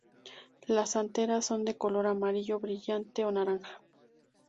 Las anteras son de color amarillo brillante o naranja.